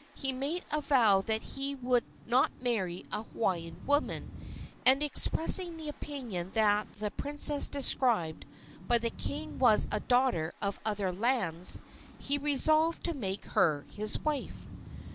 He had made a vow that he would not marry a Hawaiian woman, and, expressing the opinion that the princess described by the king was a daughter of other lands, he resolved to make her his wife.